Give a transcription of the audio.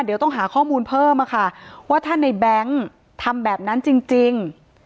เดี๋ยวต้องหาข้อมูลเพิ่มค่ะว่าถ้าในแบงค์ทำแบบนั้นจริง